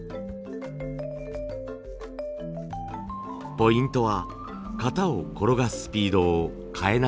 ポイントは型を転がすスピードを変えないこと。